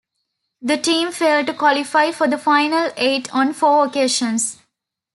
The team failed to qualify for the final eight on four occasions.